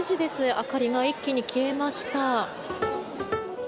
明かりが一気に消えました。